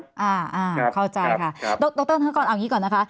อ่าอ่าเข้าใจค่ะดรฮันกรเอาอย่างนี้ก่อนนะคะ